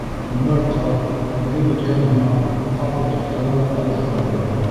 Үмәр ҡарт, һүҙе бөткән һымаҡ, ҡапыл туҡтаны ла ҡайтырға боролдо.